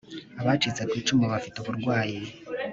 abacitse ku icumu bafite uburwayi